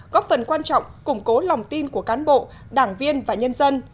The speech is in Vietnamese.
góp phần quan trọng củng cố lòng tin của cán bộ đảng viên và nhân dân